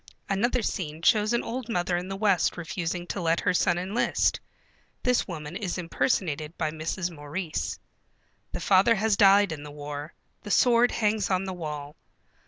Another scene shows an old mother in the West refusing to let her son enlist. (This woman is impersonated by Mrs. Maurice.) The father has died in the war. The sword hangs on the wall.